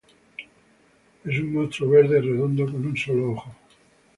Es un monstruo verde redondo con un solo ojo.